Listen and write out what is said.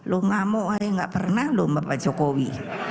lo ngamuk aja gak pernah lo mbak jokowi